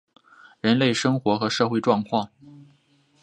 人类生活和社会状况